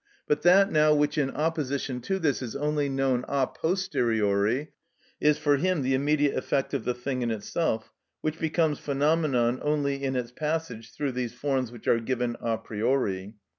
But that now which in opposition to this is only known a posteriori is for him the immediate effect of the thing in itself, which becomes phenomenon only in its passage through these forms which are given a priori.